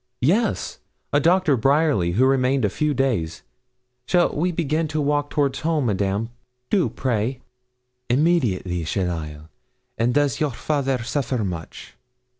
'Yes, a Doctor Bryerly, who remained a few days. Shall we begin to walk towards home, Madame? Do, pray.' 'Immediately, cheaile; and does your father suffer much?'